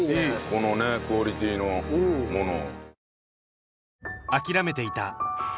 このねクオリティーのものを。